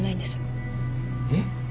えっ？